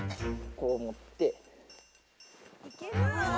こう持って。